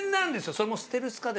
それもステルス家電。